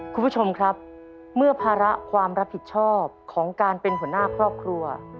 คุณผู้ชมครับเมื่อภาระความรับผิดชอบของการเป็นหัวหน้าครอบครัว